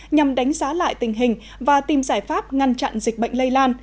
nhằm đánh giá lại tình hình và tìm giải pháp ngăn chặn dịch bệnh lây lan